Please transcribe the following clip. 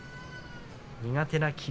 苦手な霧